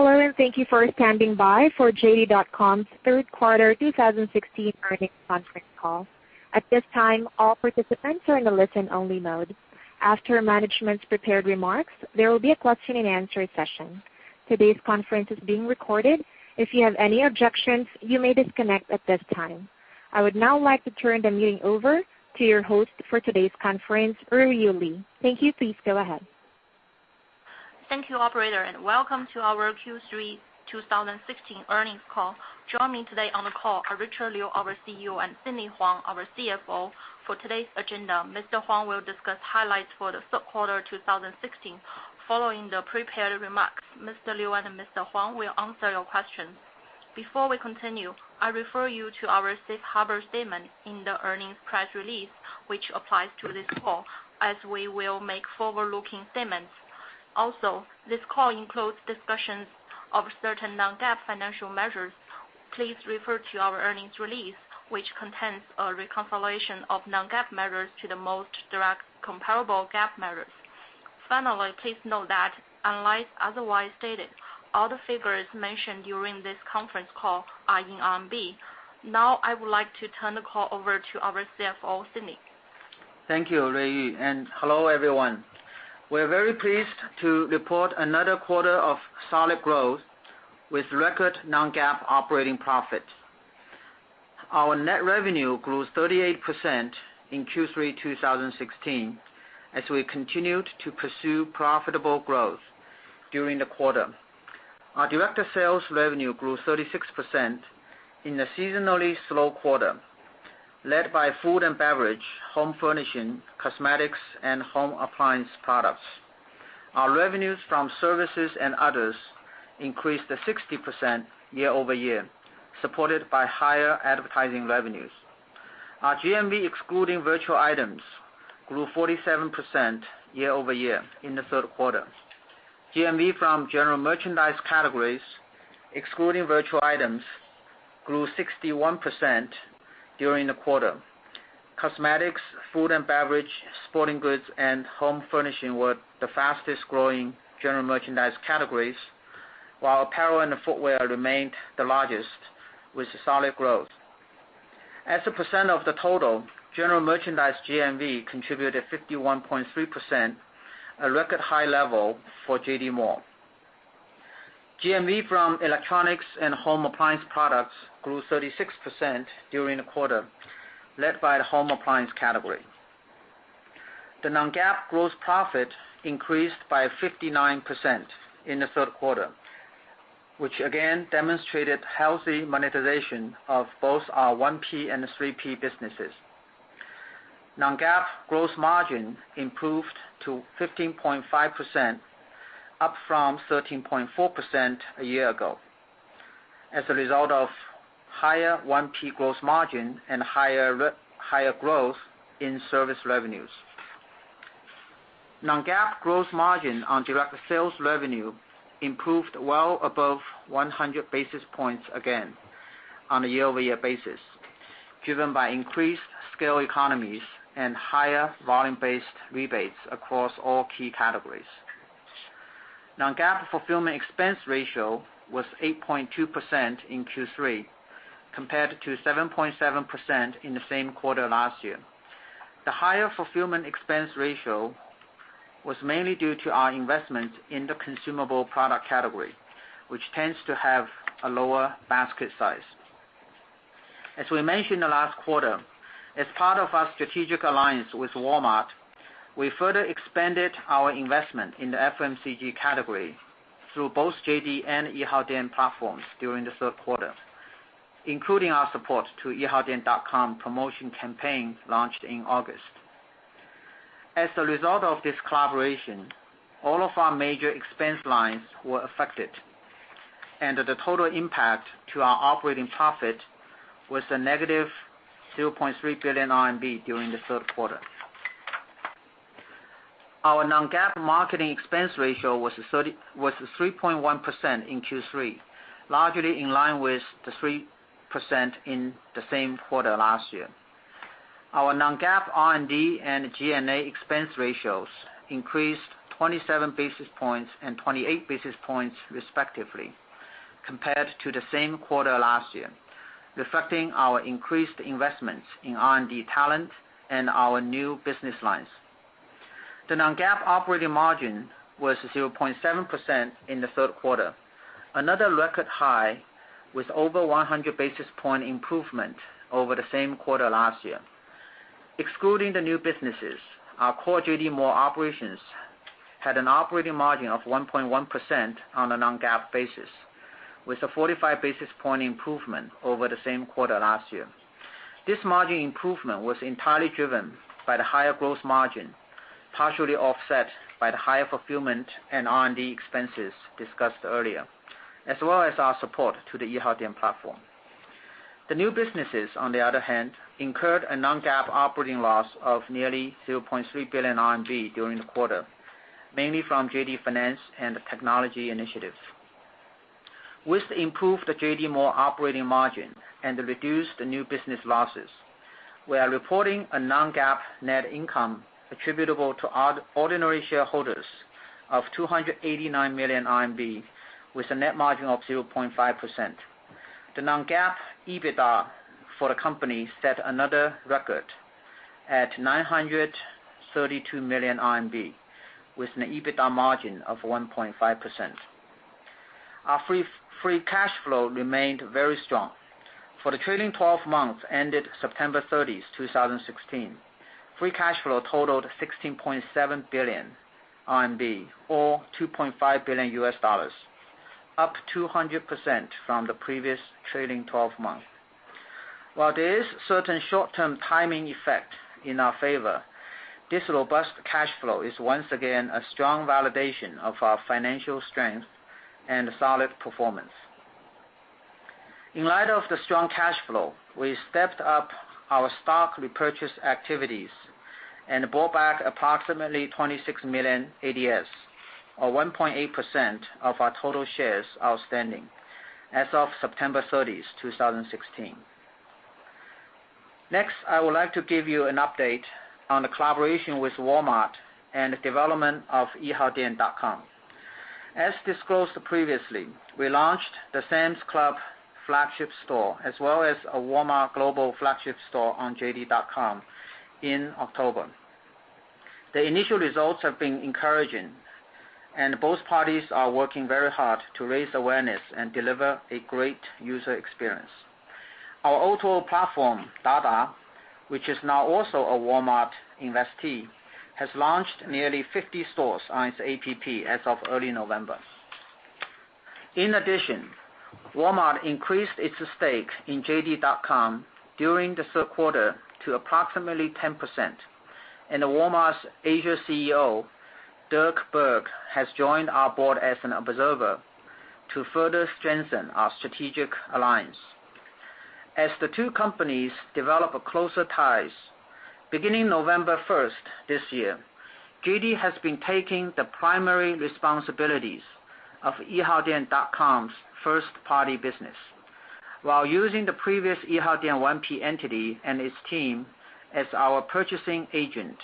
Hello, thank you for standing by for JD.com's third quarter 2016 earnings conference call. At this time, all participants are in a listen-only mode. After management's prepared remarks, there will be a question and answer session. Today's conference is being recorded. If you have any objections, you may disconnect at this time. I would now like to turn the meeting over to your host for today's conference, Ruiyu Li. Thank you. Please go ahead. Thank you, operator, welcome to our Q3 2016 earnings call. Joining today on the call are Richard Liu, our CEO, and Sidney Huang, our CFO. For today's agenda, Mr. Huang will discuss highlights for the third quarter 2016. Following the prepared remarks, Mr. Liu and Mr. Huang will answer your questions. Before we continue, I refer you to our safe harbor statement in the earnings press release, which applies to this call, as we will make forward-looking statements. Also, this call includes discussions of certain non-GAAP financial measures. Please refer to our earnings release, which contains a reconciliation of non-GAAP measures to the most direct comparable GAAP measures. Finally, please note that unless otherwise stated, all the figures mentioned during this conference call are in RMB. I would like to turn the call over to our CFO, Sidney. Thank you, Ruiyu, hello, everyone. We're very pleased to report another quarter of solid growth with record non-GAAP operating profits. Our net revenue grew 38% in Q3 2016, as we continued to pursue profitable growth during the quarter. Our direct sales revenue grew 36% in a seasonally slow quarter, led by food and beverage, home furnishing, cosmetics, and home appliance products. Our revenues from services and others increased to 60% year-over-year, supported by higher advertising revenues. Our GMV, excluding virtual items, grew 47% year-over-year in the third quarter. GMV from general merchandise categories, excluding virtual items, grew 61% during the quarter. Cosmetics, food and beverage, sporting goods, and home furnishing were the fastest-growing general merchandise categories, while apparel and footwear remained the largest, with solid growth. As a percent of the total, general merchandise GMV contributed 51.3%, a record high level for JD Mall. GMV from electronics and home appliance products grew 36% during the quarter, led by the home appliance category. The non-GAAP gross profit increased by 59% in the third quarter, which again demonstrated healthy monetization of both our 1P and 3P businesses. Non-GAAP gross margin improved to 15.5%, up from 13.4% a year ago, as a result of higher 1P gross margin and higher growth in service revenues. Non-GAAP gross margin on direct sales revenue improved well above 100 basis points again on a year-over-year basis, driven by increased scale economies and higher volume-based rebates across all key categories. Non-GAAP fulfillment expense ratio was 8.2% in Q3, compared to 7.7% in the same quarter last year. The higher fulfillment expense ratio was mainly due to our investment in the consumable product category, which tends to have a lower basket size. As we mentioned the last quarter, as part of our strategic alliance with Walmart, we further expanded our investment in the FMCG category through both JD and Yihaodian platforms during the third quarter, including our support to yihaodian.com promotion campaign launched in August. As a result of this collaboration, all of our major expense lines were affected, and the total impact to our operating profit was a negative 0.3 billion RMB during the third quarter. Our non-GAAP marketing expense ratio was 3.1% in Q3, largely in line with the 3% in the same quarter last year. Our non-GAAP R&D and G&A expense ratios increased 27 basis points and 28 basis points respectively compared to the same quarter last year, reflecting our increased investments in R&D talent and our new business lines. The non-GAAP operating margin was 0.7% in the third quarter, another record high with over 100 basis point improvement over the same quarter last year. Excluding the new businesses, our core JD Mall operations had an operating margin of 1.1% on a non-GAAP basis, with a 45 basis point improvement over the same quarter last year. This margin improvement was entirely driven by the higher growth margin, partially offset by the higher fulfillment and R&D expenses discussed earlier, as well as our support to the Yihaodian platform. The new businesses, on the other hand, incurred a non-GAAP operating loss of nearly 0.3 billion RMB during the quarter, mainly from JD Finance and technology initiatives. With improved JD Mall operating margin and reduced new business losses, we are reporting a non-GAAP net income attributable to ordinary shareholders of 289 million RMB, with a net margin of 0.5%. The non-GAAP EBITDA for the company set another record at 932 million RMB, with an EBITDA margin of 1.5%. Our free cash flow remained very strong. For the trailing 12 months ended September 30th, 2016, free cash flow totaled 16.7 billion RMB, or $2.5 billion, up 200% from the previous trailing 12 months. While there is a certain short-term timing effect in our favor, this robust cash flow is once again a strong validation of our financial strength and solid performance. In light of the strong cash flow, we stepped up our stock repurchase activities and bought back approximately 26 million ADS, or 1.8% of our total shares outstanding as of September 30th, 2016. Next, I would like to give you an update on the collaboration with Walmart and the development of yihaodian.com. As disclosed previously, we launched the Sam's Club flagship store as well as a Walmart global flagship store on JD.com in October. The initial results have been encouraging, and both parties are working very hard to raise awareness and deliver a great user experience. Our O2O platform, Dada, which is now also a Walmart investee, has launched nearly 50 stores on its APP as of early November. In addition, Walmart increased its stake in JD.com during the third quarter to approximately 10%, and Walmart's Asia CEO, Dirk Berghe, has joined our board as an observer to further strengthen our strategic alliance. As the two companies develop closer ties, beginning November 1st this year, JD has been taking the primary responsibilities of yihaodian.com's first-party business while using the previous Yihaodian 1P entity and its team as our purchasing agent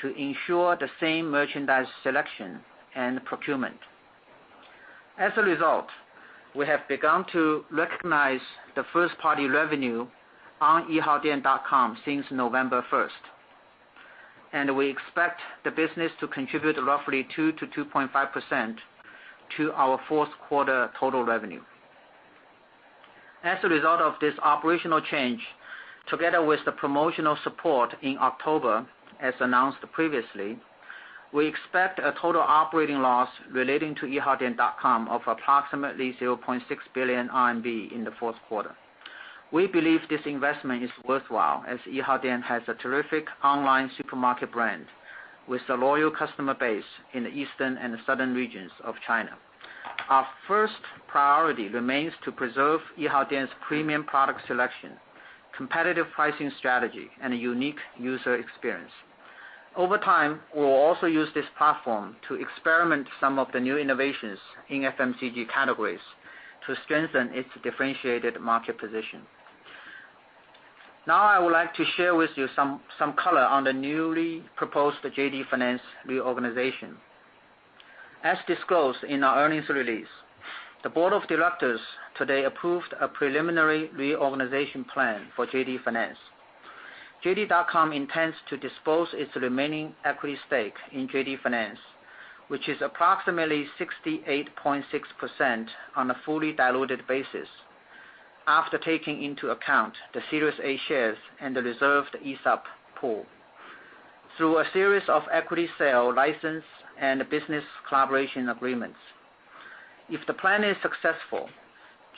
to ensure the same merchandise selection and procurement. As a result, we have begun to recognize the first-party revenue on yihaodian.com since November 1st, and we expect the business to contribute roughly 2%-2.5% to our fourth quarter total revenue. As a result of this operational change, together with the promotional support in October, as announced previously, we expect a total operating loss relating to yihaodian.com of approximately 0.6 billion RMB in the fourth quarter. We believe this investment is worthwhile as Yihaodian has a terrific online supermarket brand with a loyal customer base in the eastern and southern regions of China. Our first priority remains to preserve Yihaodian's premium product selection, competitive pricing strategy, and unique user experience. Over time, we will also use this platform to experiment some of the new innovations in FMCG categories to strengthen its differentiated market position. I would like to share with you some color on the newly proposed JD Finance reorganization. As disclosed in our earnings release, the board of directors today approved a preliminary reorganization plan for JD Finance. JD.com intends to dispose its remaining equity stake in JD Finance, which is approximately 68.6% on a fully diluted basis, after taking into account the Series A shares and the reserved ESOP pool, through a series of equity sale license and business collaboration agreements. If the plan is successful,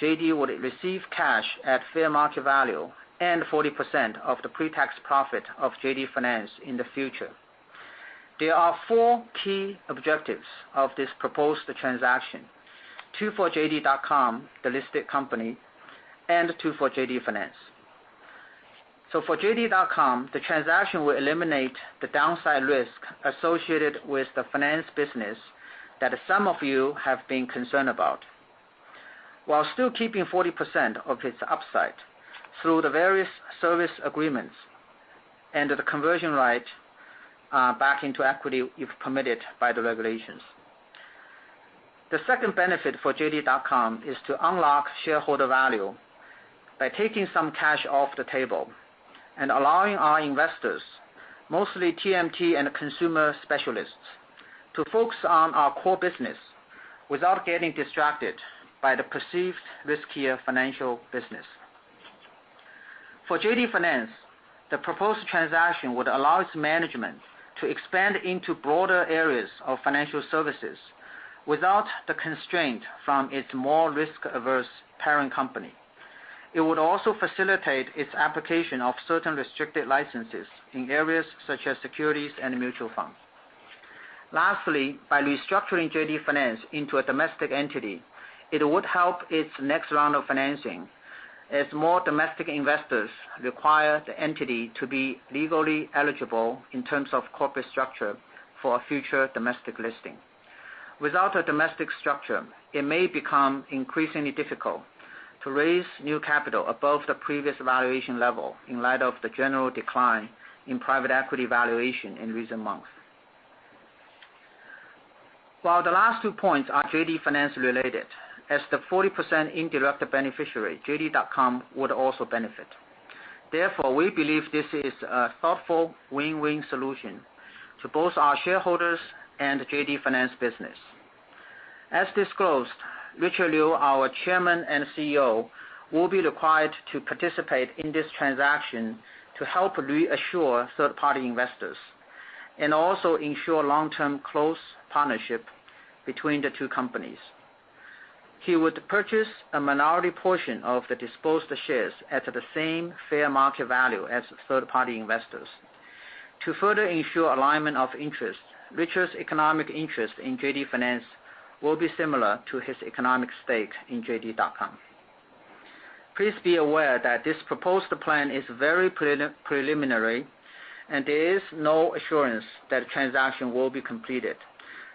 JD would receive cash at fair market value and 40% of the pre-tax profit of JD Finance in the future. There are four key objectives of this proposed transaction, two for JD.com, the listed company, and two for JD Finance. For JD.com, the transaction will eliminate the downside risk associated with the finance business that some of you have been concerned about, while still keeping 40% of its upside through the various service agreements and the conversion right back into equity if permitted by the regulations. The second benefit for JD.com is to unlock shareholder value by taking some cash off the table and allowing our investors, mostly TMT and consumer specialists, to focus on our core business without getting distracted by the perceived riskier financial business. For JD Finance, the proposed transaction would allow its management to expand into broader areas of financial services without the constraint from its more risk-averse parent company. It would also facilitate its application of certain restricted licenses in areas such as securities and mutual funds. Lastly, by restructuring JD Finance into a domestic entity, it would help its next round of financing as more domestic investors require the entity to be legally eligible in terms of corporate structure for a future domestic listing. Without a domestic structure, it may become increasingly difficult to raise new capital above the previous valuation level in light of the general decline in private equity valuation in recent months. While the last two points are JD Finance related, as the 40% indirect beneficiary, JD.com would also benefit. Therefore, we believe this is a thoughtful win-win solution to both our shareholders and the JD Finance business. As disclosed, Richard Liu, our Chairman and CEO, will be required to participate in this transaction to help reassure third-party investors and also ensure long-term close partnership between the two companies. He would purchase a minority portion of the disposed shares at the same fair market value as third-party investors. To further ensure alignment of interest, Richard's economic interest in JD Finance will be similar to his economic stake in JD.com. Please be aware that this proposed plan is very preliminary, and there is no assurance that a transaction will be completed.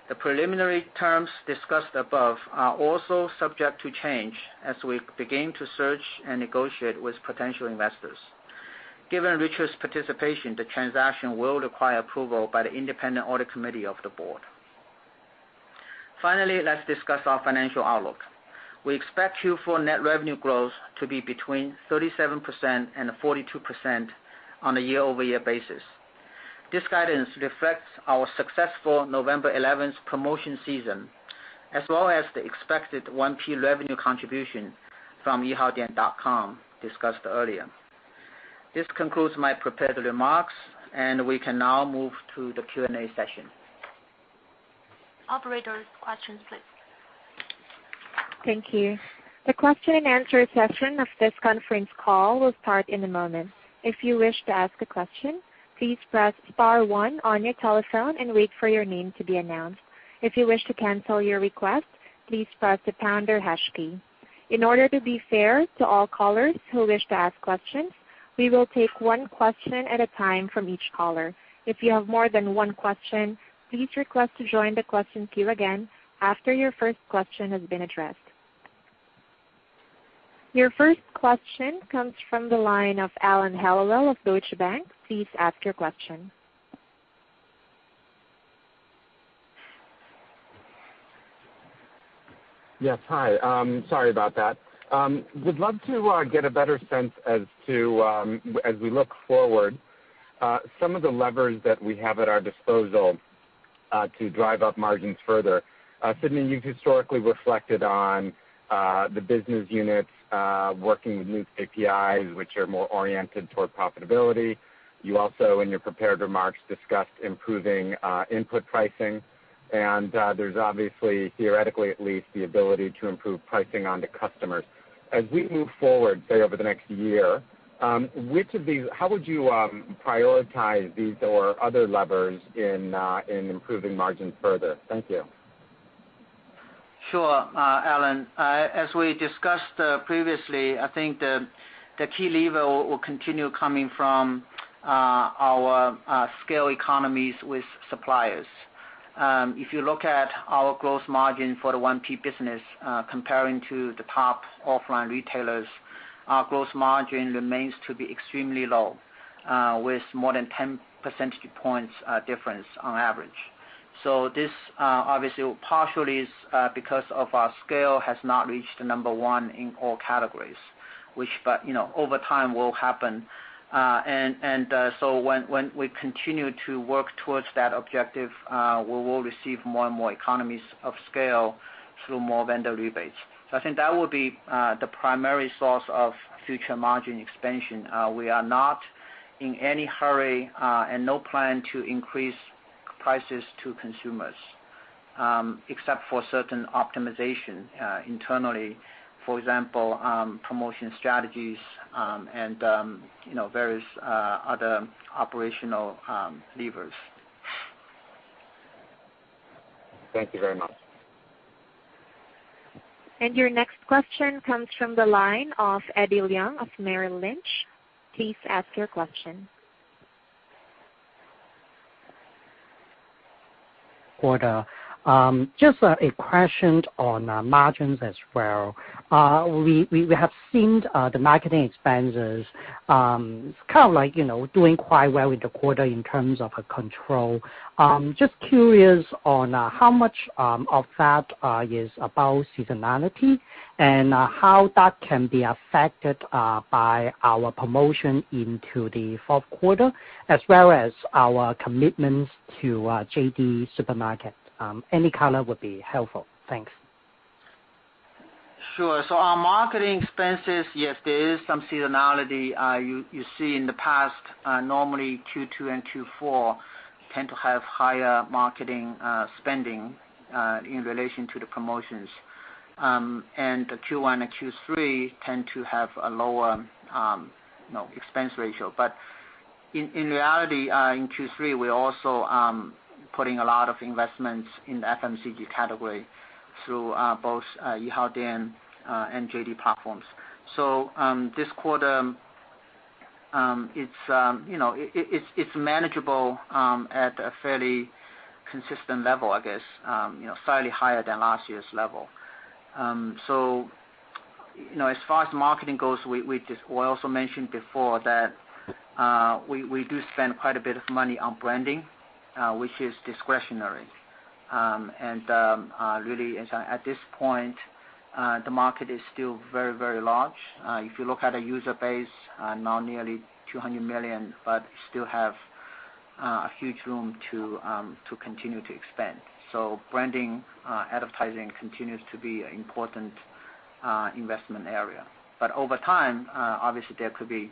The preliminary terms discussed above are also subject to change as we begin to search and negotiate with potential investors. Given Richard's participation, the transaction will require approval by the independent audit committee of the board. Finally, let's discuss our financial outlook. We expect Q4 net revenue growth to be between 37%-42% on a year-over-year basis. This guidance reflects our successful November 11th promotion season, as well as the expected 1P revenue contribution from yihaodian.com discussed earlier. This concludes my prepared remarks, and we can now move to the Q&A session. Operator, questions, please. Thank you. The question and answer session of this conference call will start in a moment. If you wish to ask a question, please press star one on your telephone and wait for your name to be announced. If you wish to cancel your request, please press the pound or hash key. In order to be fair to all callers who wish to ask questions, we will take one question at a time from each caller. If you have more than one question, please request to join the question queue again after your first question has been addressed. Your first question comes from the line of Alan Hellawell of Deutsche Bank. Please ask your question. Yes, hi. Sorry about that. Would love to get a better sense as we look forward, some of the levers that we have at our disposal to drive up margins further. Sidney, you've historically reflected on the business units working with new KPIs, which are more oriented toward profitability. You also, in your prepared remarks, discussed improving input pricing. There's obviously, theoretically at least, the ability to improve pricing onto customers. As we move forward, say, over the next year, how would you prioritize these or other levers in improving margins further? Thank you. Sure, Alan. As we discussed previously, I think the key lever will continue coming from our scale economies with suppliers. If you look at our gross margin for the 1P business comparing to the top offline retailers, our gross margin remains to be extremely low, with more than 10 percentage points difference on average. This obviously partially is because of our scale has not reached number one in all categories. Which over time will happen. When we continue to work towards that objective, we will receive more and more economies of scale through more vendor rebates. I think that will be the primary source of future margin expansion. We are not in any hurry, and no plan to increase prices to consumers, except for certain optimization internally. For example, promotion strategies and various other operational levers. Thank you very much. Your next question comes from the line of Eddie Leung of Merrill Lynch. Please ask your question. Good. Just a question on margins as well. We have seen the marketing expenses kind of doing quite well with the quarter in terms of control. Just curious on how much of that is about seasonality and how that can be affected by our promotion into the fourth quarter, as well as our commitments to JD Supermarket. Any color would be helpful. Thanks. Sure. Our marketing expenses, yes, there is some seasonality. You see in the past, normally Q2 and Q4 tend to have higher marketing spending in relation to the promotions. Q1 and Q3 tend to have a lower expense ratio. In reality, in Q3, we're also putting a lot of investments in the FMCG category through both Yihaodian and JD platforms. This quarter, it's manageable at a fairly consistent level, I guess, slightly higher than last year's level. As far as marketing goes, we also mentioned before that we do spend quite a bit of money on branding, which is discretionary. Really, at this point, the market is still very large. If you look at a user base, now nearly 200 million, but still have a huge room to continue to expand. Branding, advertising continues to be an important investment area. Over time, obviously, there could be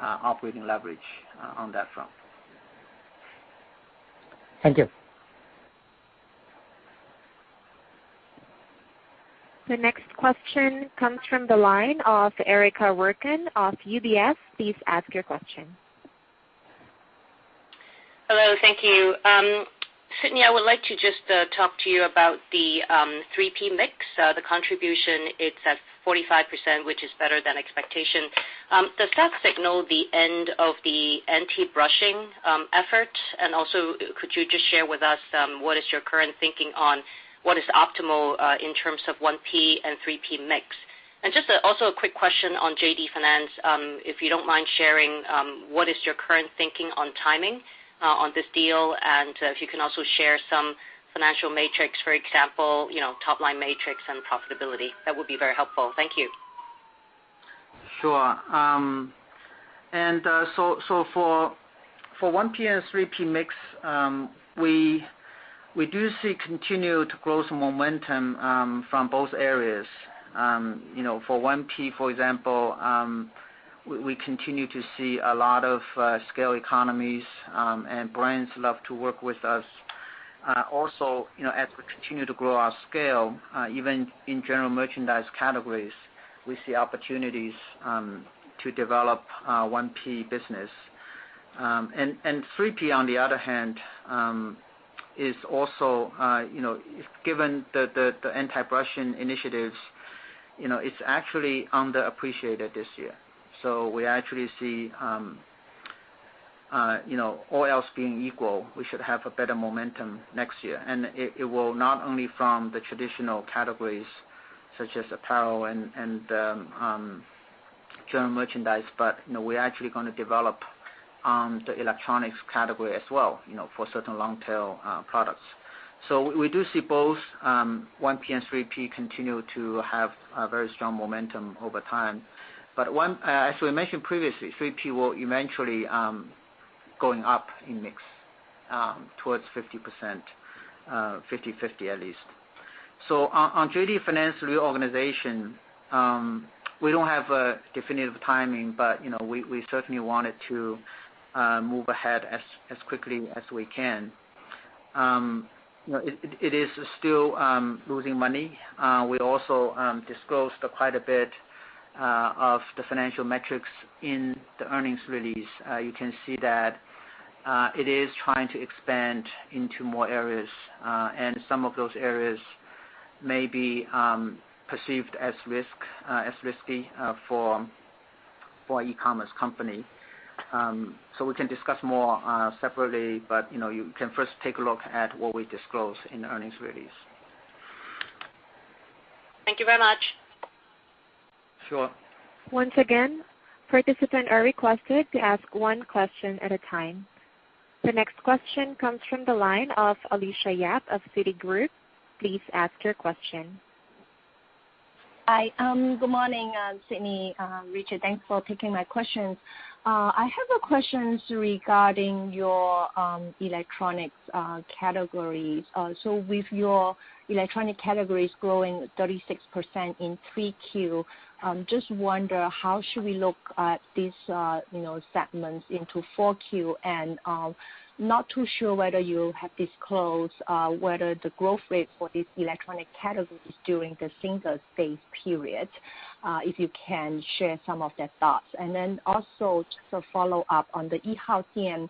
operating leverage on that front. Thank you. The next question comes from the line of Erica Werkun of UBS. Please ask your question. Hello, thank you. Sidney, I would like to just talk to you about the 3P mix, the contribution, it's at 45%, which is better than expectation. Does that signal the end of the anti-brushing effort? Also, could you just share with us, what is your current thinking on what is optimal in terms of 1P and 3P mix? Just also a quick question on JD Finance, if you don't mind sharing, what is your current thinking on timing on this deal? If you can also share some financial metrics, for example, top-line metrics and profitability, that would be very helpful. Thank you. Sure. For 1P and 3P mix, we do see continued growth momentum from both areas. For 1P, for example, we continue to see a lot of scale economies, and brands love to work with us. Also, as we continue to grow our scale, even in general merchandise categories, we see opportunities to develop 1P business. 3P, on the other hand, given the anti-brushing initiatives, it's actually underappreciated this year. We actually see, all else being equal, we should have a better momentum next year. It will not only from the traditional categories such as apparel and general merchandise, but we're actually going to develop the electronics category as well, for certain long-tail products. We do see both 1P and 3P continue to have a very strong momentum over time. As we mentioned previously, 3P will eventually going up in mix towards 50%, 50/50 at least. On JD Finance reorganization, we don't have a definitive timing, but we certainly wanted to move ahead as quickly as we can. It is still losing money. We also disclosed quite a bit of the financial metrics in the earnings release. You can see that it is trying to expand into more areas, and some of those areas may be perceived as risky for e-commerce company. We can discuss more separately, but you can first take a look at what we disclosed in the earnings release. Thank you very much. Sure. Once again, participants are requested to ask one question at a time. The next question comes from the line of Alicia Yap of Citigroup. Please ask your question. Hi. Good morning, Sidney, Richard. Thanks for taking my questions. I have a questions regarding your electronics categories. With your electronic categories growing 36% in Q3, just wonder how should we look at these segments into Q4? Not too sure whether you have disclosed whether the growth rate for this electronic category is during the Singles Day period, if you can share some of the thoughts. Also just a follow-up on the Yihaodian,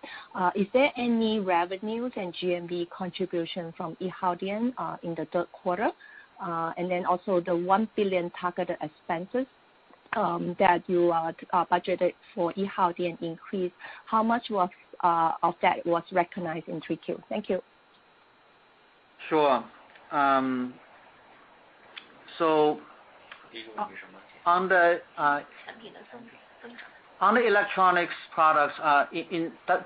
is there any revenues and GMV contribution from Yihaodian in the third quarter? Also the 1 billion targeted expenses that you budgeted for Yihaodian increase, how much of that was recognized in Q3? Thank you. Sure. On the electronics products,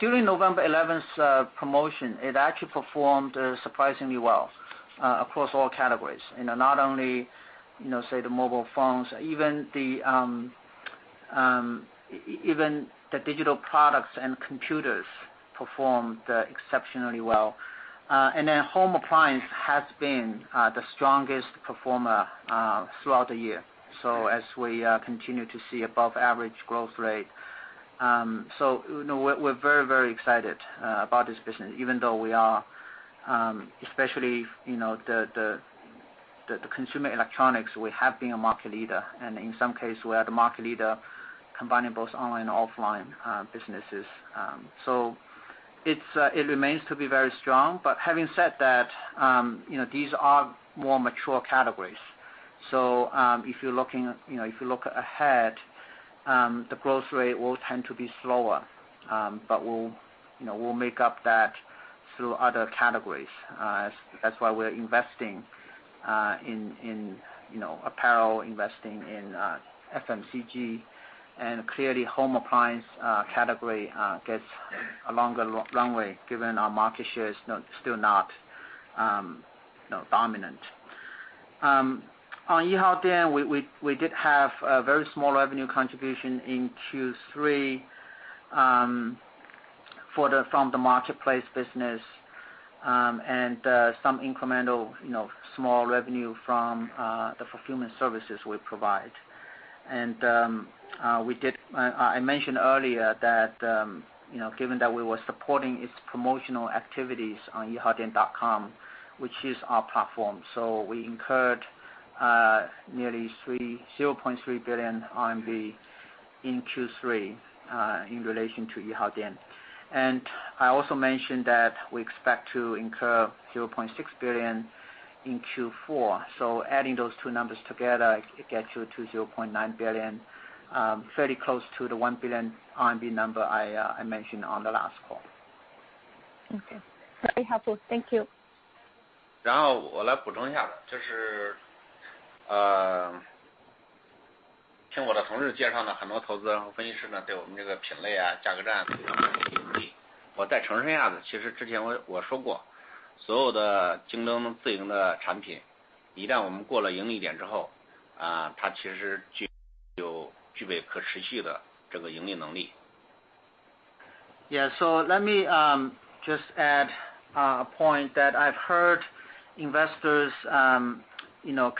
during November 11th's promotion, it actually performed surprisingly well across all categories. Not only, say the mobile phones, even the digital products and computers performed exceptionally well. Home appliance has been the strongest performer throughout the year as we continue to see above average growth rate. We're very excited about this business, even though we are, especially the consumer electronics, we have been a market leader, and in some cases, we are the market leader combining both online and offline businesses. It remains to be very strong. Having said that, these are more mature categories. If you look ahead, the growth rate will tend to be slower. We'll make up that through other categories. That's why we're investing in apparel, investing in FMCG, and clearly home appliance category gets a longer runway given our market share is still not dominant. On Yihaodian, we did have a very small revenue contribution in Q3 from the marketplace business, and some incremental small revenue from the fulfillment services we provide. I mentioned earlier that, given that we were supporting its promotional activities on yihaodian.com, which is our platform, we incurred nearly 0.3 billion RMB in Q3, in relation to Yihaodian. I also mentioned that we expect to incur 0.6 billion in Q4. Adding those two numbers together, it gets you to 0.9 billion, fairly close to the 1 billion RMB number I mentioned on the last call. Okay. Very helpful. Thank you. Let me just add a point that I've heard investors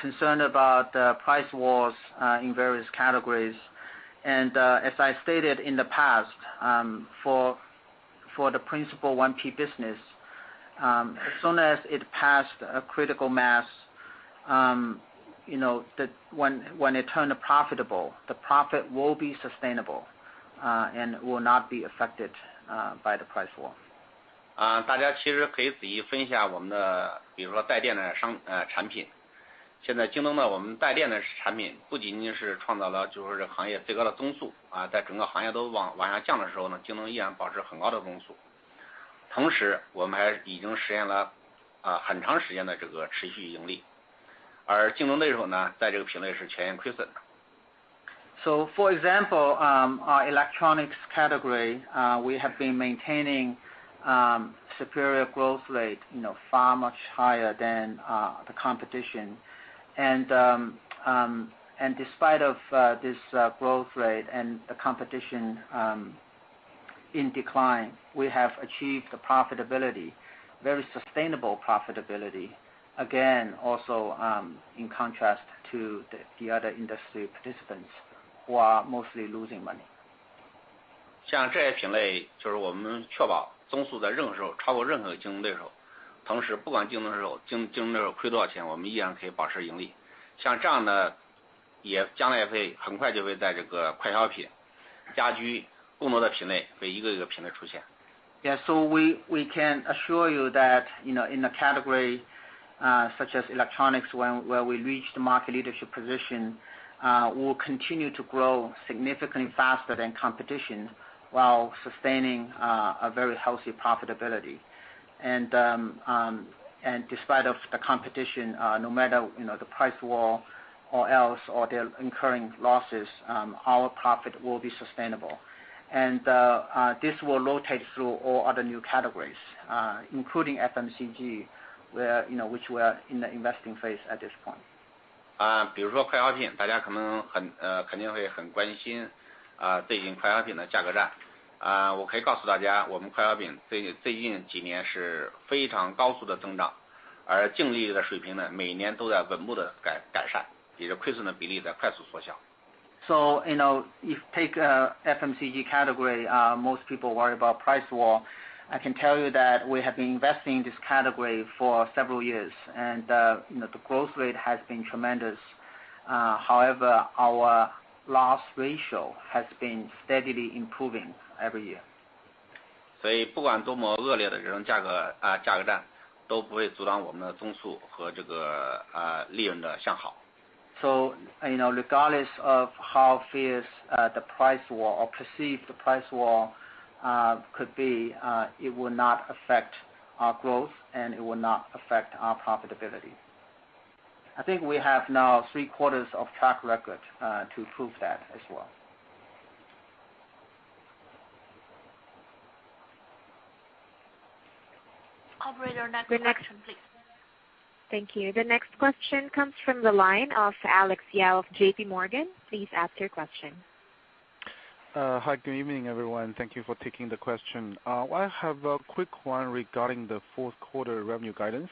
concerned about the price wars in various categories. As I stated in the past, for the principal 1P business, as soon as it passed a critical mass when it turned profitable, the profit will be sustainable, and will not be affected by the price war. For example, our electronics category, we have been maintaining superior growth rate, far much higher than the competition. Despite of this growth rate and the competition in decline, we have achieved a profitability, very sustainable profitability. Again, also in contrast to the other industry participants, who are mostly losing money. We can assure you that in a category such as electronics, where we reach the market leadership position, we'll continue to grow significantly faster than competition while sustaining a very healthy profitability. Despite of the competition, no matter the price war or else, or they're incurring losses, our profit will be sustainable. This will rotate through all other new categories, including FMCG, which we are in the investing phase at this point. If take a FMCG category, most people worry about price war. I can tell you that we have been investing in this category for several years. The growth rate has been tremendous. However, our loss ratio has been steadily improving every year. Regardless of how fierce the price war or perceived the price war could be, it will not affect our growth, and it will not affect our profitability. I think we have now three quarters of track record to prove that as well. Operator, next question, please. Thank you. The next question comes from the line of Alex Yao of JP Morgan. Please ask your question. Hi, good evening, everyone. Thank you for taking the question. I have a quick one regarding the fourth quarter revenue guidance.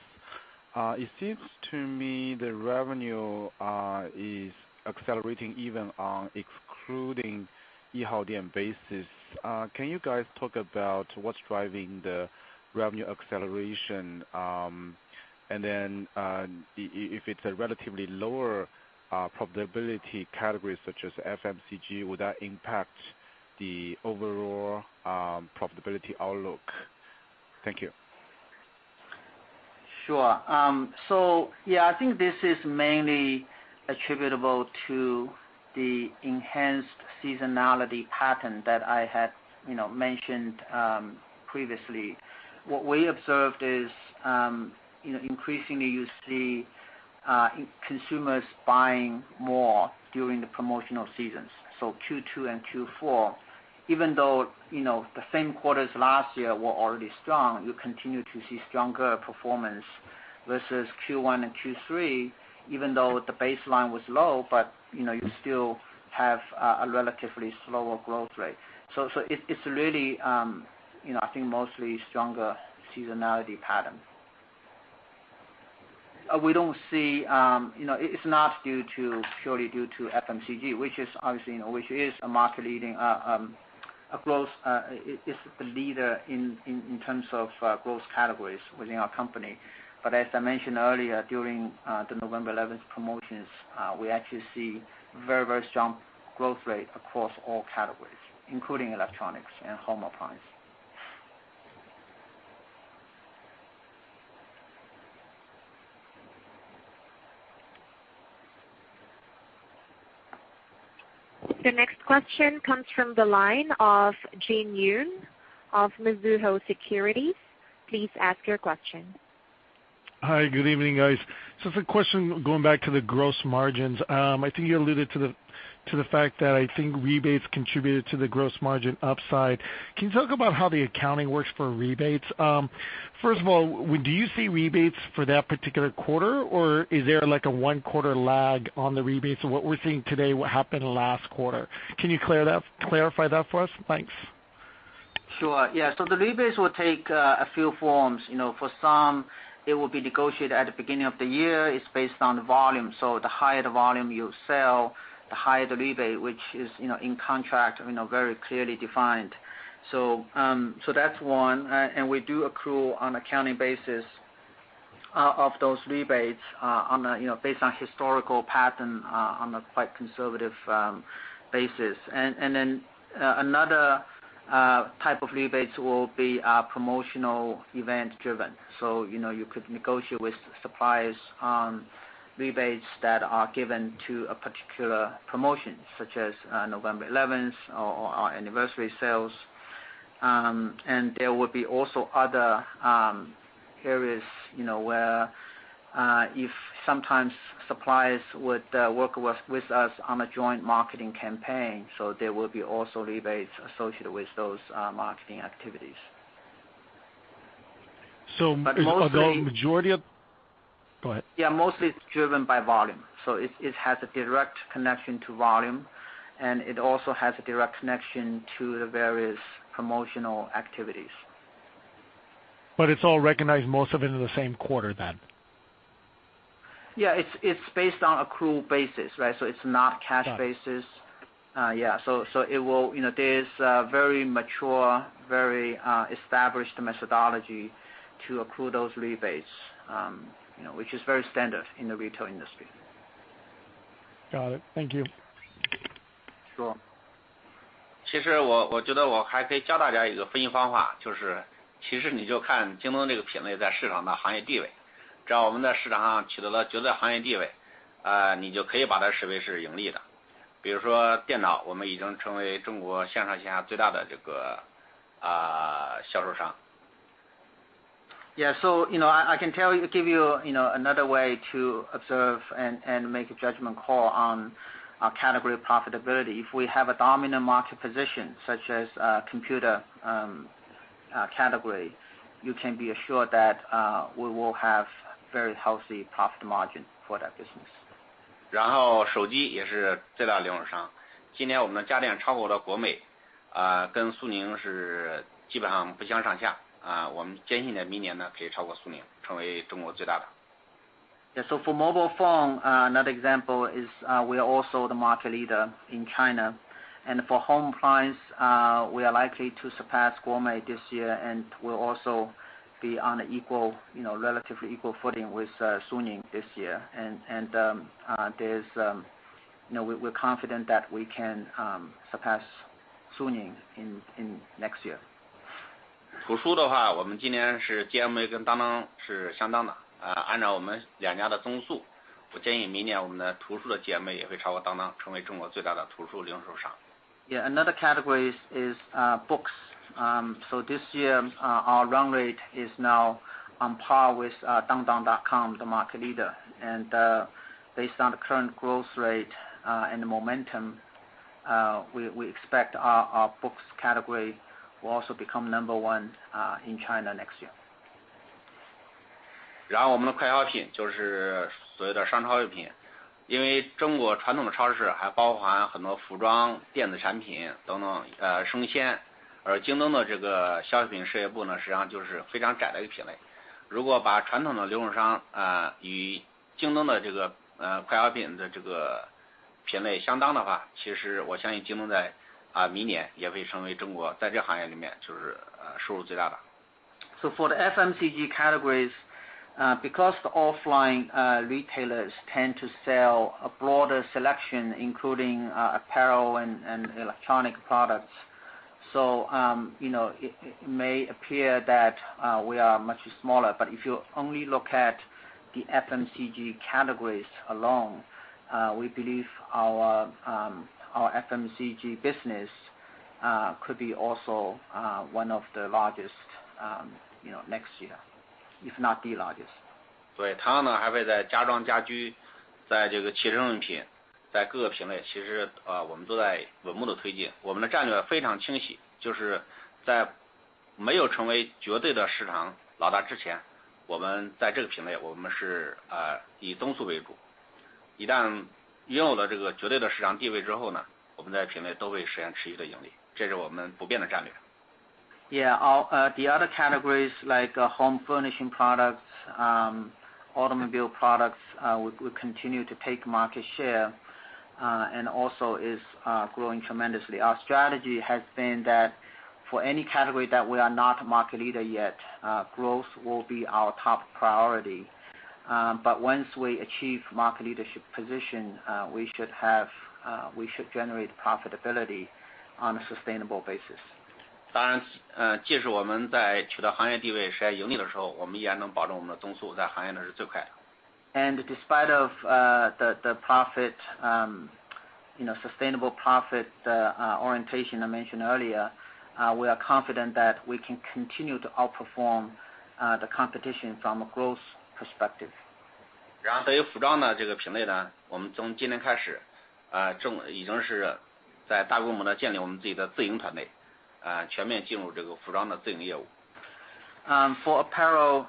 It seems to me the revenue is accelerating even on excluding basis. Can you guys talk about what's driving the revenue acceleration? If it's a relatively lower profitability category, such as FMCG, will that impact the overall profitability outlook? Thank you. Sure. Yeah, I think this is mainly attributable to the enhanced seasonality pattern that I had mentioned previously. What we observed is, increasingly, you see consumers buying more during the promotional seasons. Q2 and Q4. Even though the same quarters last year were already strong, you continue to see stronger performance versus Q1 and Q3, even though the baseline was low, you still have a relatively slower growth rate. It's really I think mostly stronger seasonality pattern. We don't see. It's not purely due to FMCG, which is obviously a leader in terms of growth categories within our company. As I mentioned earlier, during the November 11th promotions, we actually see very strong growth rate across all categories, including electronics and home appliance. The next question comes from the line of Jin Yoon of Mizuho Securities. Please ask your question. Hi, good evening, guys. It's a question, going back to the gross margins. I think you alluded to the fact that I think rebates contributed to the gross margin upside. Can you talk about how the accounting works for rebates? First of all, do you see rebates for that particular quarter, or is there like a one-quarter lag on the rebates of what we're seeing today, what happened last quarter? Can you clarify that for us? Thanks. Sure. Yeah. The rebates will take a few forms. For some it will be negotiated at the beginning of the year. It's based on the volume, the higher the volume you sell, the higher the rebate, which is in contract, very clearly defined. That's one. We do accrue on accounting basis of those rebates, based on historical pattern, on a quite conservative basis. Then, another type of rebates will be promotional event-driven. You could negotiate with suppliers on rebates that are given to a particular promotion, such as November 11th or our anniversary sales. There will be also other areas where if sometimes suppliers would work with us on a joint marketing campaign, there will be also rebates associated with those marketing activities. Are those majority of Go ahead. Yeah, mostly it's driven by volume. It has a direct connection to volume, and it also has a direct connection to the various promotional activities. It's all recognized most of it in the same quarter then? Yeah. It's based on accrued basis. It's not cash basis. Got it. Yeah. There's a very mature, very established methodology to accrue those rebates, which is very standard in the retail industry. Got it. Thank you. Sure. Yeah. I can give you another way to observe and make a judgment call on category profitability. If we have a dominant market position, such as computer category, you can be assured that we will have very healthy profit margin for that business. Yeah. For mobile phone, another example is, we are also the market leader in China. For home appliance, we are likely to surpass GOME this year, and we'll also be on a relatively equal footing with Suning this year. We're confident that we can surpass Suning in next year. Yeah. Another category is books. This year, our run rate is now on par with dangdang.com, the market leader. Based on the current growth rate, and the momentum, we expect our books category will also become number one in China next year. 因为中国传统的超市还包含很多服装、电子产品、生鲜等，而京东的快消品事业部实际上就是非常窄的一个品类。如果把传统的零售商与京东的快消品的品类相当的话，其实我相信京东在明年也会成为中国这个行业里面收入最大的。For the FMCG categories, because the offline retailers tend to sell a broader selection, including apparel and electronic products, it may appear that we are much smaller. If you only look at the FMCG categories alone, we believe our FMCG business could be also one of the largest next year, if not the largest. 对，它还会在家装家居、汽车用品等各个品类，我们都在稳步地推进。我们的战略非常清晰，就是在没有成为绝对的市场老大之前，我们在这个品类是以增速为主。一旦拥有了绝对的市场地位之后，我们在品类都会实现持续的盈利，这是我们不变的战略。The other categories like home furnishing products, automobile products, we continue to take market share, and also is growing tremendously. Our strategy has been that for any category that we are not market leader yet, growth will be our top priority. Once we achieve market leadership position, we should generate profitability on a sustainable basis. 当然，即使我们在取得行业地位、实现盈利的时候，我们依然能保证我们的增速在行业内是最快的。Despite of the sustainable profit orientation I mentioned earlier, we are confident that we can continue to outperform the competition from a growth perspective. 然后对于服装这个品类，我们从今年开始，已经是在大规模地建立我们自己的自营团队，全面进入服装的自营业务。For apparel,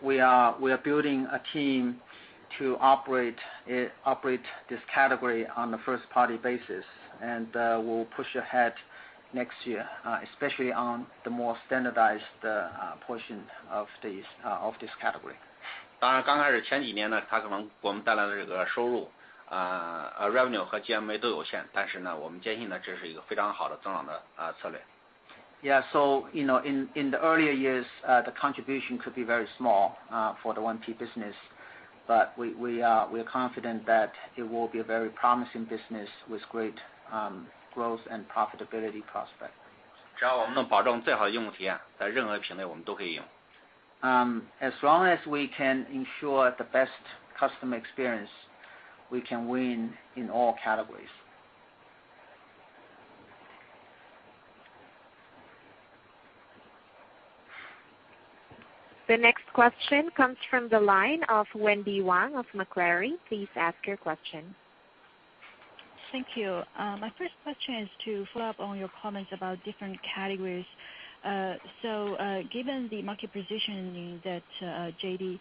we are building a team to operate this category on the first-party basis, and we will push ahead next year, especially on the more standardized portion of this category. 当然，前几年它给我们带来的收入和GMV都有限，但是我们坚信这是一个非常好的增长的策略。Yeah. In the earlier years, the contribution could be very small, for the 1P business, but we are confident that it will be a very promising business with great growth and profitability prospect. 只要我们能保证最好的用户体验，在任何品类我们都可以赢。As long as we can ensure the best customer experience, we can win in all categories. The next question comes from the line of Wendy Wang of Macquarie. Please ask your question. Thank you. My first question is to follow up on your comments about different categories. Given the market positioning that JD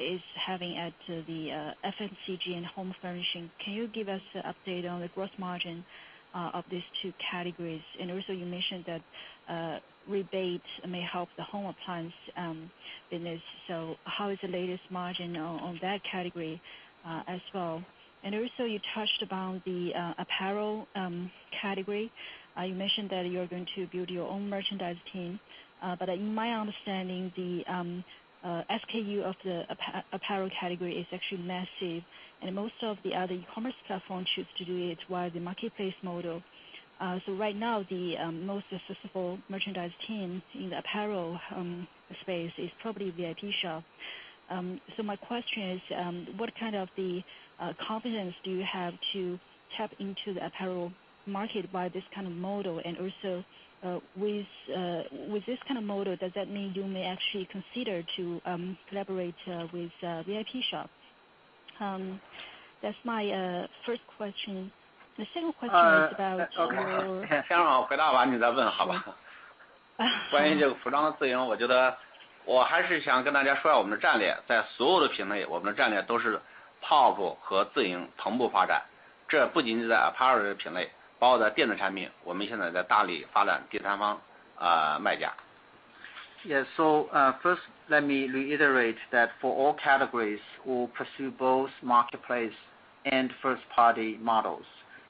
is having at the FMCG and home furnishing, can you give us an update on the gross margin of these two categories? Also, you mentioned that rebates may help the home appliance business. How is the latest margin on that category as well? You touched upon the apparel category. You mentioned that you are going to build your own merchandise team. But in my understanding, the SKU of the apparel category is actually massive, and most of the other e-commerce platform choose to do it via the marketplace model. Right now, the most accessible merchandise team in the apparel space is probably Vipshop. My question is, what kind of confidence do you have to tap into the apparel market by this kind of model? Also, with this kind of model, does that mean you may actually consider to collaborate with Vipshop? That's my first question. 先让我回答完，你再问好吗？关于服装的自营，我还是想跟大家说一下我们的战略。在所有的品类，我们的战略都是POP和自营同步发展，这不仅仅是在apparel品类，包括在电子产品，我们现在在大力发展第三方卖家。Yeah. First, let me reiterate that for all categories, we will pursue both marketplace and first-party models,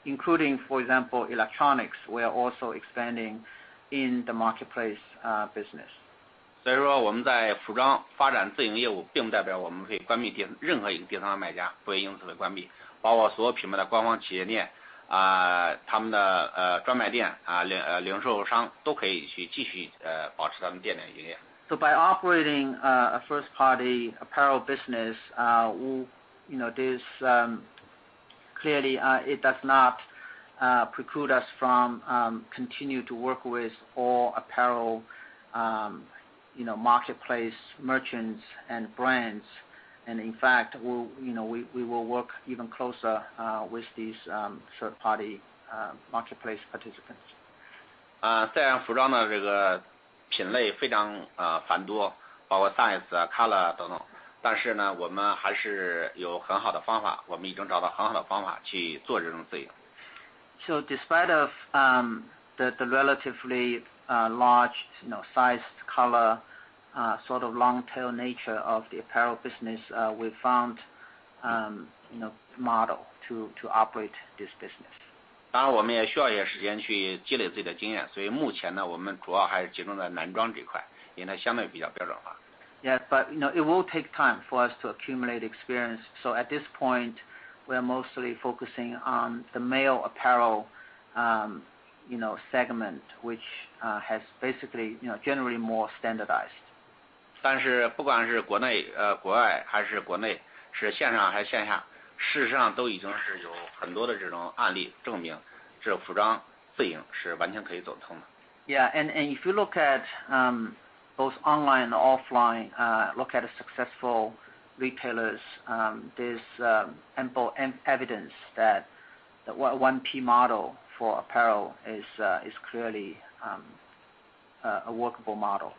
including, for example, electronics. We are also expanding in the marketplace business. 所以说我们在服装发展自营业务，并不代表我们会关闭任何一个第三方卖家，不会因此被关闭。包括所有品牌的官方企业店、他们的专卖店、零售商都可以继续保持他们的店面营业。By operating a first-party apparel business, clearly, it does not preclude us from continuing to work with all apparel marketplace merchants and brands. In fact, we will work even closer with these third-party marketplace participants. 虽然服装的品类非常繁多，包括size、color等等，但是我们还是有很好的方法，我们已经找到很好的方法去做这种业务。Despite the relatively large size, color, sort of long-tail nature of the apparel business, we found a model to operate this business. 当然我们也需要一些时间去积累自己的经验。所以目前我们主要还是集中在男装这块，因为相对比较标准化。Yes, but it will take time for us to accumulate experience. At this point, we are mostly focusing on the male apparel segment, which has basically, generally more standardized. 但是不管是国外还是国内，是线上还是线下，事实上都已经是有很多的这种案例证明，这个服装税是完全可以走通的。Yeah. If you look at both online and offline, look at the successful retailers, there's ample evidence that 1P model for apparel is clearly a workable model.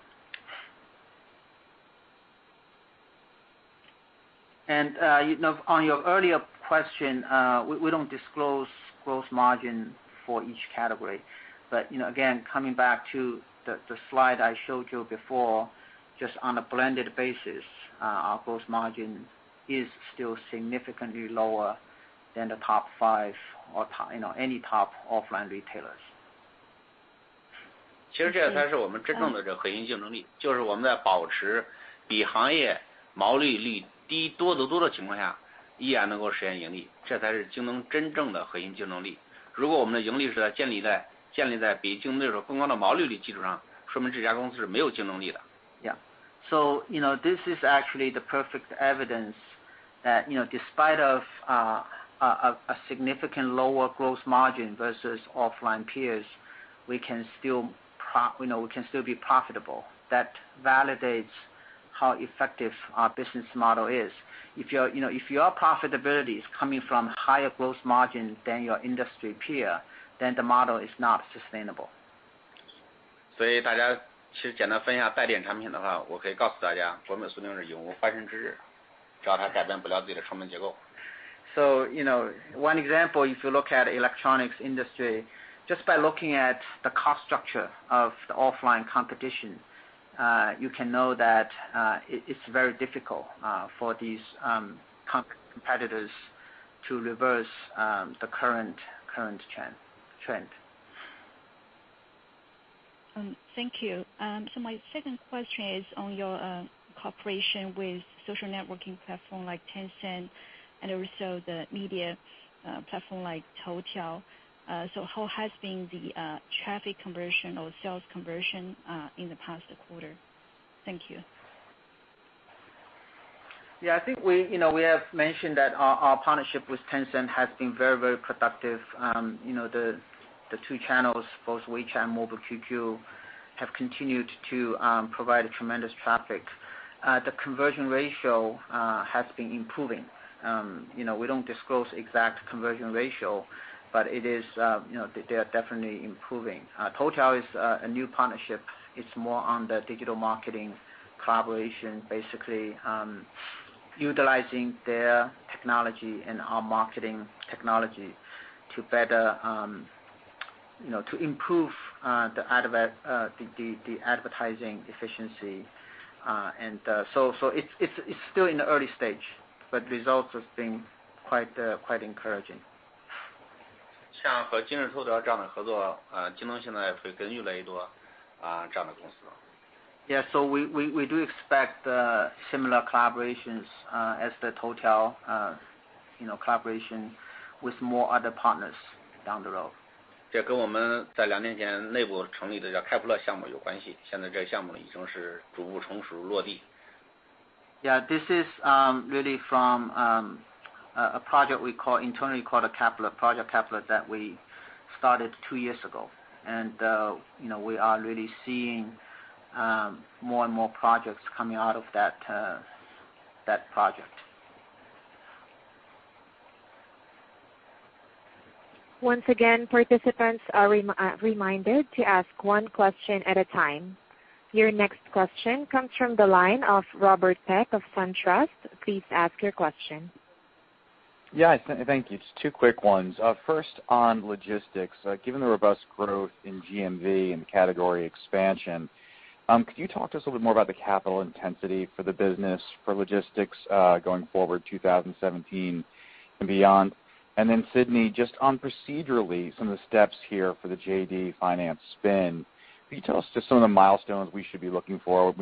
On your earlier question, we don't disclose gross margin for each category. Again, coming back to the slide I showed you before, just on a blended basis, our gross margin is still significantly lower than the top five or any top offline retailers. 其实这才是我们真正的核心竞争力，就是我们在保持比行业毛利率低多得多的情况下，依然能够实现盈利，这才是京东真正的核心竞争力。如果我们的盈利是在建立在比竞争对手更高的毛利率基础上，说明这家公司是没有竞争力的。Yeah. This is actually the perfect evidence that despite of a significant lower gross margin versus offline peers, we can still be profitable. That validates how effective our business model is. If your profitability is coming from higher gross margin than your industry peer, then the model is not sustainable. 所以大家其实简单分析一下卓尔产品的话，我可以告诉大家，卓尔永远是永无翻身之日，只要他改变不了自己的成本结构。One example, if you look at electronics industry, just by looking at the cost structure of the offline competition, you can know that it's very difficult for these competitors to reverse the current trend. Thank you. My second question is on your cooperation with social networking platform like Tencent and also the media platform like Toutiao. How has been the traffic conversion or sales conversion in the past quarter? Thank you. I think we have mentioned that our partnership with Tencent has been very, very productive. The two channels, both WeChat and Mobile QQ, have continued to provide a tremendous traffic. The conversion ratio has been improving. We don't disclose exact conversion ratio, but they are definitely improving. Toutiao is a new partnership. It's more on the digital marketing collaboration, basically, utilizing their technology and our marketing technology to improve the advertising efficiency. It's still in the early stage, but results have been quite encouraging. 像和今日头条这样的合作，京东现在会跟越来越多这样的公司。We do expect similar collaborations as the Toutiao collaboration with more other partners down the road. 这跟我们在两年前内部成立的叫开普勒项目有关系，现在这个项目已经是逐步成熟落地。This is really from a project we internally call the Project Kepler that we started two years ago. We are really seeing more and more projects coming out of that project. Once again, participants are reminded to ask one question at a time. Your next question comes from the line of Robert Peck of SunTrust. Please ask your question. Yeah. Thank you. Just two quick ones. First, on logistics, given the robust growth in GMV and category expansion, could you talk to us a little bit more about the capital intensity for the business for logistics, going forward 2017 and beyond? Sidney, just on procedurally, some of the steps here for the JD Finance spin. Can you tell us just some of the milestones we should be looking for?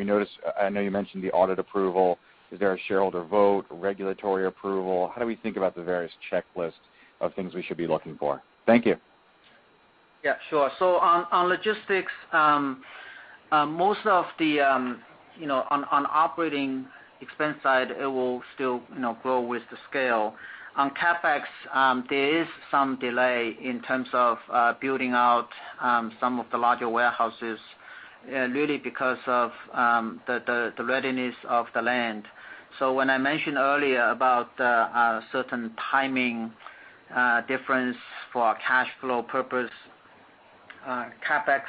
I know you mentioned the audit approval. Is there a shareholder vote or regulatory approval? How do we think about the various checklists of things we should be looking for? Thank you. Yeah, sure. On logistics, on operating expense side, it will still grow with the scale. On CapEx, there is some delay in terms of building out some of the larger warehouses, really because of the readiness of the land. When I mentioned earlier about a certain timing difference for cash flow purpose, CapEx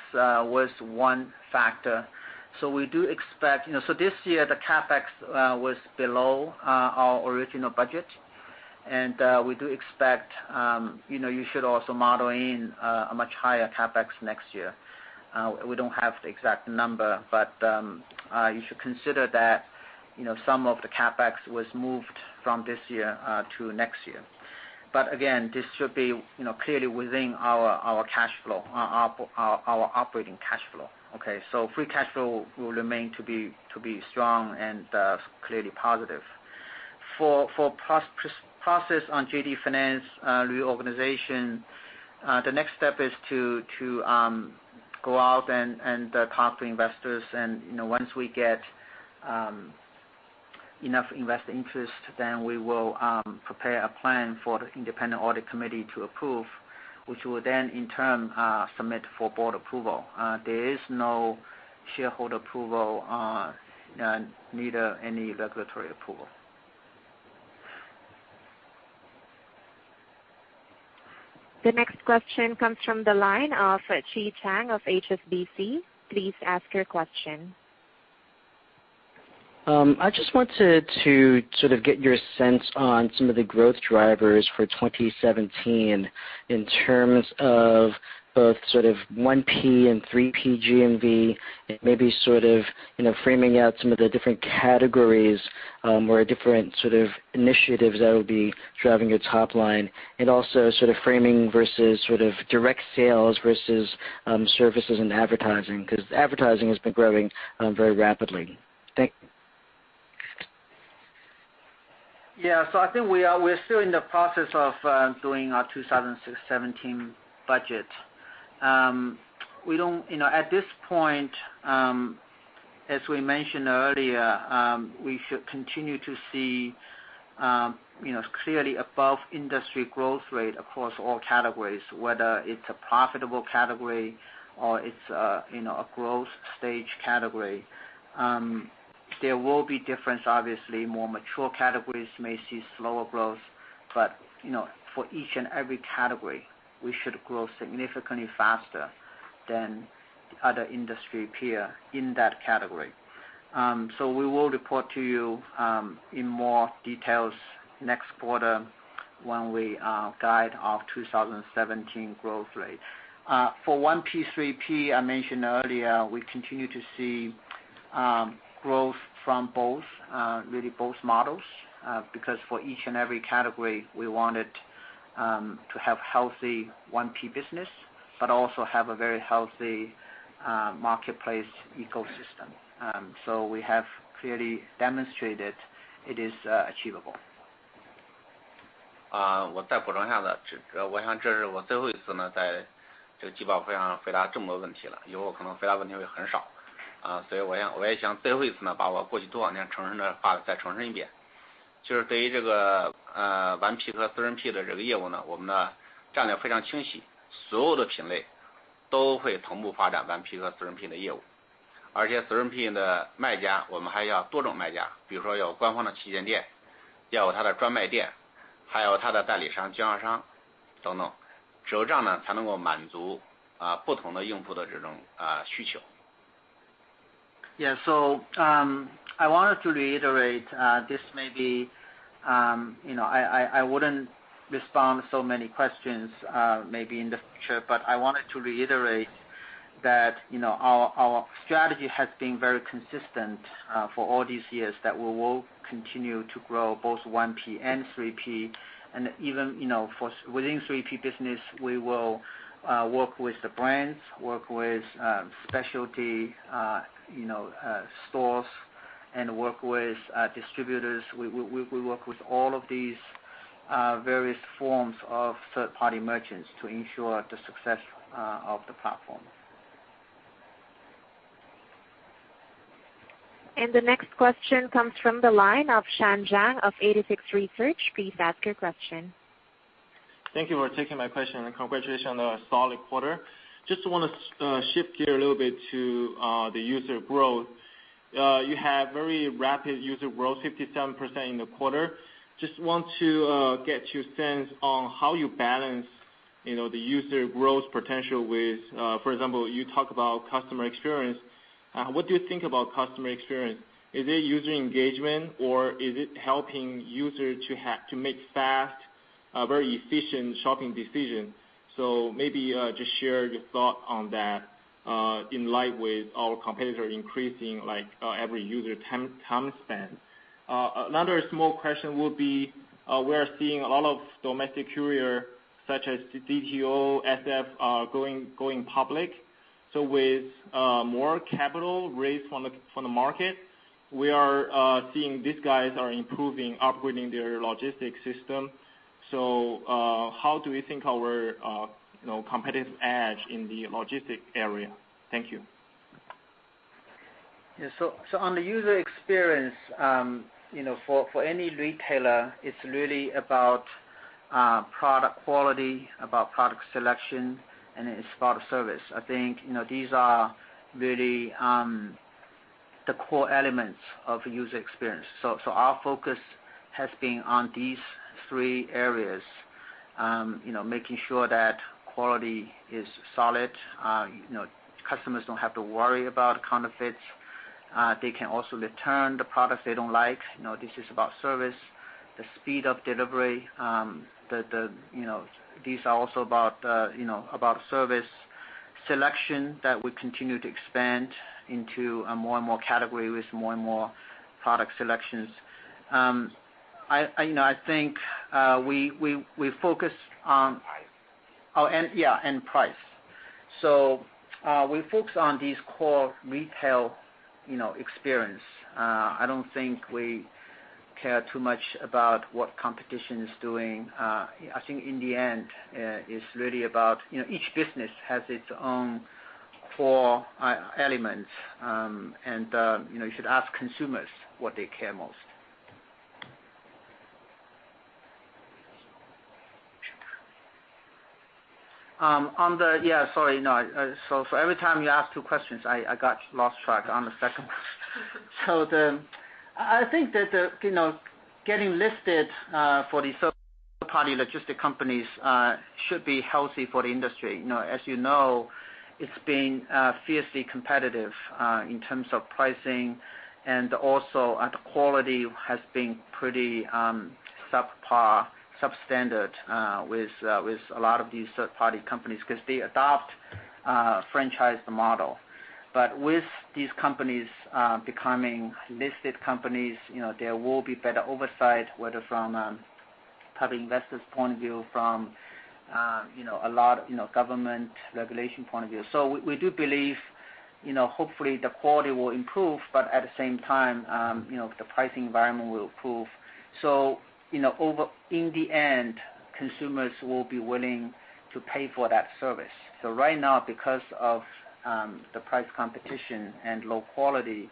was one factor. This year, the CapEx was below our original budget, and we do expect you should also model in a much higher CapEx next year. We don't have the exact number, but you should consider that some of the CapEx was moved from this year to next year. Again, this should be clearly within our operating cash flow. Okay? Free cash flow will remain to be strong and clearly positive. For process on JD Finance reorganization, the next step is to go out and talk to investors, and once we get enough investor interest, then we will prepare a plan for the independent audit committee to approve, which will then, in turn, submit for board approval. There is no shareholder approval, neither any regulatory approval. The next question comes from the line of Chi Tsang of HSBC. Please ask your question. I just wanted to sort of get your sense on some of the growth drivers for 2017 in terms of both sort of 1P and 3P GMV, and maybe sort of framing out some of the different categories or different sort of initiatives that would be driving your top line. Also sort of framing versus sort of direct sales versus services and advertising, because advertising has been growing very rapidly. Thank you. Yeah. I think we're still in the process of doing our 2017 budget. At this point, as we mentioned earlier, we should continue to see clearly above industry growth rate across all categories, whether it's a profitable category or it's a growth stage category. There will be difference, obviously, more mature categories may see slower growth, but for each and every category, we should grow significantly faster than other industry peer in that category. We will report to you in more details next quarter when we guide our 2017 growth rate. For 1P, 3P, I mentioned earlier, we continue to see growth from really both models, because for each and every category, we wanted to have healthy 1P business, but also have a very healthy marketplace ecosystem. We have clearly demonstrated it is achievable. Yeah. I wanted to reiterate, I wouldn't respond to so many questions, maybe in the future, but I wanted to reiterate that our strategy has been very consistent for all these years, that we will continue to grow both 1P and 3P, and even within 3P business, we will work with the brands, work with specialty stores, and work with distributors. We work with all of these various forms of third-party merchants to ensure the success of the platform. The next question comes from the line of Shan Zhang of 86Research. Please ask your question. Thank you for taking my question, and congratulations on a solid quarter. Just want to shift gear a little bit to the user growth. You have very rapid user growth, 57% in the quarter. Just want to get your sense on how you balance the user growth potential with For example, you talk about customer experience. What do you think about customer experience? Is it user engagement or is it helping user to make fast, very efficient shopping decisions? Maybe just share your thought on that in light with our competitors increasing every user time spent. Another small question would be, we're seeing a lot of domestic courier such as ZTO, SF, going public. With more capital raised from the market, we are seeing these guys are improving, upgrading their logistics system. How do we think our competitive edge in the logistic area? Thank you. On the user experience, for any retailer, it's really about product quality, about product selection, and it's about service. I think these are really the core elements of user experience. Our focus has been on these three areas, making sure that quality is solid, customers don't have to worry about counterfeits. They can also return the products they don't like. This is about service, the speed of delivery. These are also about service selection that we continue to expand into more and more category with more and more product selections. Price. Oh, and yeah, and price. We focus on these core retail experience. I don't think we care too much about what competition is doing. I think in the end, it's really about each business has its own core elements, and you should ask consumers what they care most. Sorry. Every time you ask two questions, I lost track on the second one. I think that getting listed for these third-party logistic companies should be healthy for the industry. As you know, it's been fiercely competitive in terms of pricing, and also the quality has been pretty subpar, substandard, with a lot of these third-party companies, because they adopt a franchise model. With these companies becoming listed companies, there will be better oversight, whether from a public investor's point of view, from a lot of government regulation point of view. We do believe, hopefully, the quality will improve, but at the same time, the pricing environment will improve. In the end, consumers will be willing to pay for that service. Right now, because of the price competition and low quality,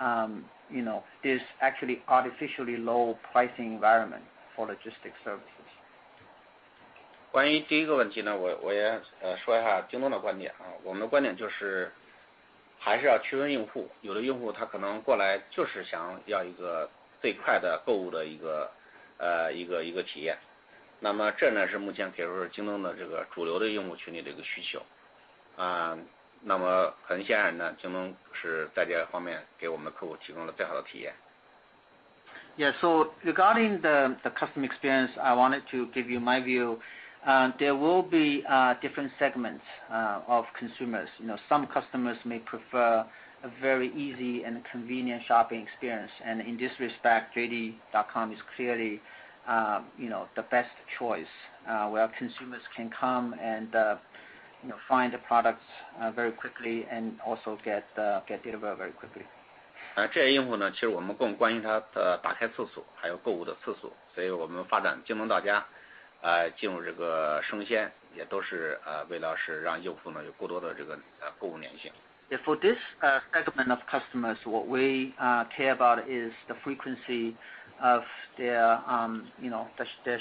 there is actually artificially low pricing environment for logistics services. Regarding the customer experience, I wanted to give you my view. There will be different segments of consumers. Some customers may prefer a very easy and convenient shopping experience. In this respect, JD.com is clearly the best choice, where consumers can come and find the products very quickly and also get delivered very quickly. For this segment of customers, what we care about is the frequency of their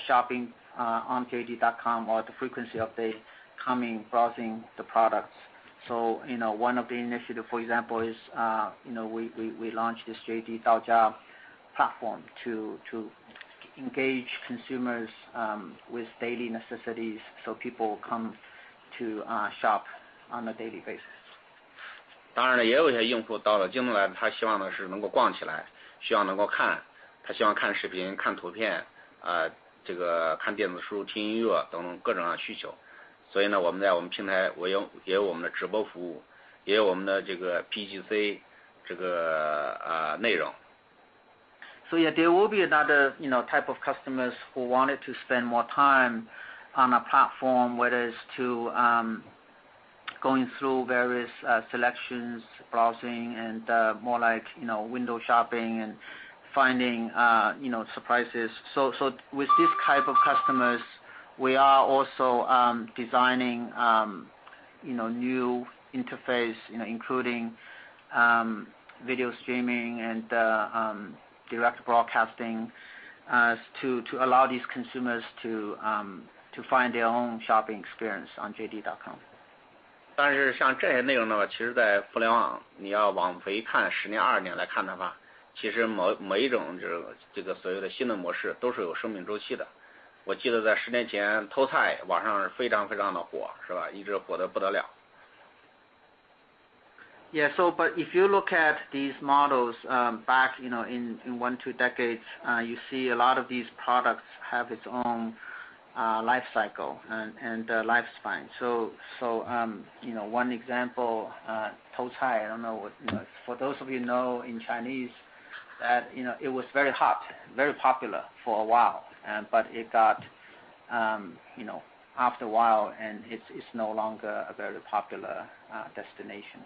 shopping on JD.com, or the frequency of the coming, browsing the products. One of the initiatives, for example, is we launched this JD Daojia platform to engage consumers with daily necessities, people come to shop on a daily basis. There will be another type of customers who wanted to spend more time on a platform, whether it's to going through various selections, browsing, and more like window shopping and finding surprises. With these type of customers, we are also designing new interface, including video streaming and direct broadcasting, to allow these consumers to find their own shopping experience on JD.com. If you look at these models back in one, two decades, you see a lot of these products have its own life cycle and lifespan. One example, for those of you know, in Chinese, it was very hot, very popular for a while, but after a while, it's no longer a very popular destination.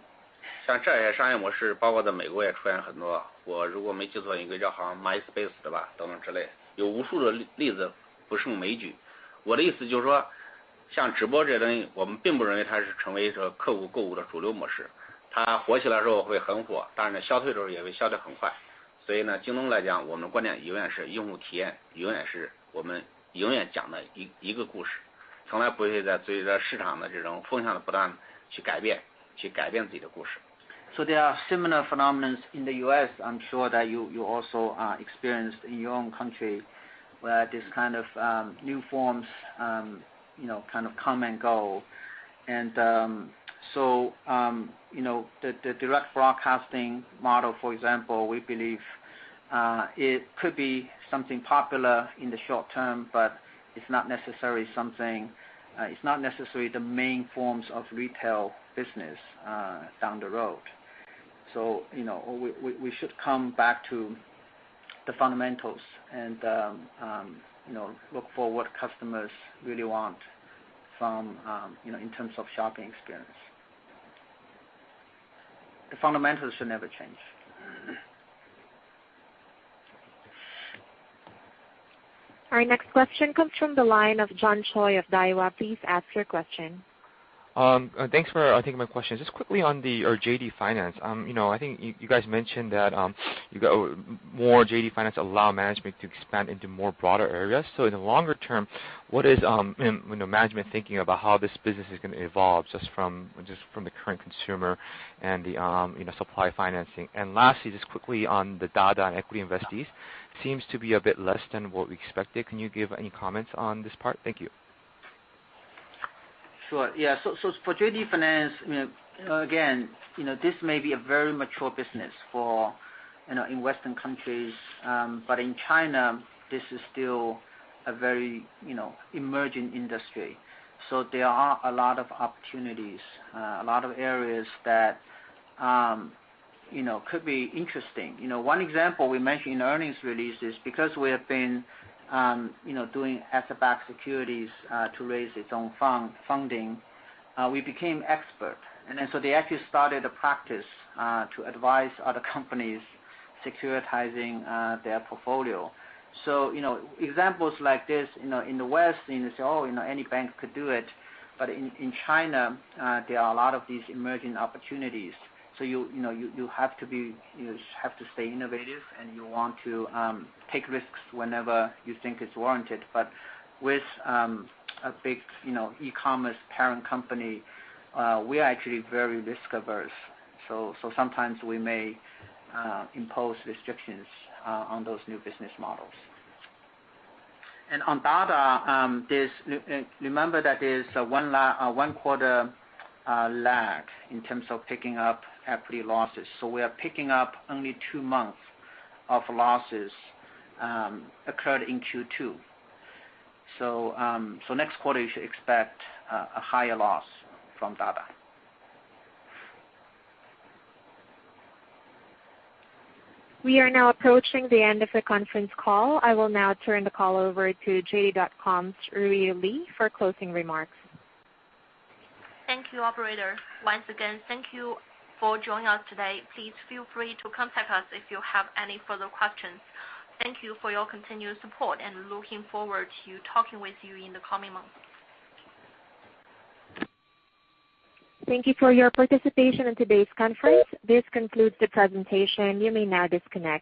像直播这东西，我们并不认为它是成为客户购物的主流模式。它火起来的时候会很火，当然消退的时候也会消得很快。所以京东来讲，我们观点永远是用户体验，永远是我们永远讲的一个故事，从来不会随着市场的这种风向的不断去改变自己的故事。There are similar phenomenons in the U.S. I'm sure that you also experienced in your own country where this kind of new forms kind of come and go. The direct broadcasting model, for example, we believe it could be something popular in the short term, but it's not necessarily the main forms of retail business down the road. We should come back to the fundamentals and look for what customers really want in terms of shopping experience. The fundamentals should never change. Our next question comes from the line of John Choi of Daiwa. Please ask your question. Thanks for taking my questions. Just quickly on the JD Finance. I think you guys mentioned that more JD Finance allow management to expand into more broader areas. In the longer term, what is management thinking about how this business is going to evolve just from the current consumer and the supply financing. Lastly, just quickly on the Dada and equity investees. Seems to be a bit less than what we expected. Can you give any comments on this part? Thank you. Sure. Yeah. For JD Finance, again, this may be a very mature business in Western countries, but in China, this is still a very emerging industry. There are a lot of opportunities, a lot of areas that could be interesting. One example we mentioned in the earnings release is because we have been doing asset-backed securities to raise its own funding, we became expert. They actually started a practice to advise other companies securitizing their portfolio. Examples like this in the West, you say, "Oh, any bank could do it," but in China, there are a lot of these emerging opportunities. You have to stay innovative, and you want to take risks whenever you think it's warranted. With a big e-commerce parent company, we are actually very risk-averse, so sometimes we may impose restrictions on those new business models. On Dada, remember that there is a one quarter lag in terms of picking up equity losses. We are picking up only two months of losses occurred in Q2. Next quarter, you should expect a higher loss from Dada. We are now approaching the end of the conference call. I will now turn the call over to JD.com's Ruiyu Li for closing remarks. Thank you, operator. Once again, thank you for joining us today. Please feel free to contact us if you have any further questions. Thank you for your continued support and looking forward to talking with you in the coming months. Thank you for your participation in today's conference. This concludes the presentation. You may now disconnect.